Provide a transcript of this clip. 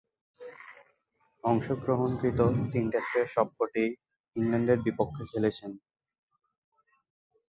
অংশগ্রহণকৃত তিন টেস্টের সবকটিই ইংল্যান্ডের বিপক্ষে খেলেছেন।